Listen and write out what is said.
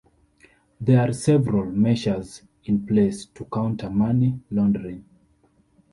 There are several measures in place to counter money laundering.